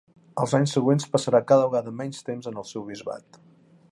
Als anys següents passarà cada vegada menys temps en el seu bisbat.